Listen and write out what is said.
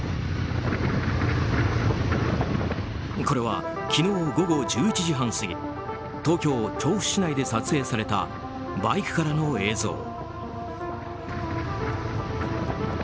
これは昨日午後１１時半過ぎ東京・調布市内で撮影されたバイクからの影像。